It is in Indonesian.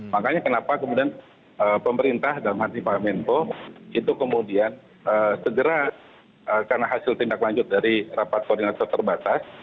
makanya kenapa kemudian pemerintah dalam hati pak menko itu kemudian segera karena hasil tindak lanjut dari rapat koordinator terbatas